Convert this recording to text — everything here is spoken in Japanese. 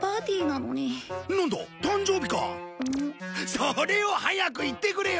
それを早く言ってくれよ！